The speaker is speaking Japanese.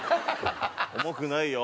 「重くないよ」。